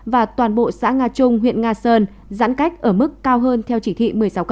và toàn bộ xã nga trung huyện nga sơn giãn cách ở mức cao hơn theo chỉ thị một mươi sáu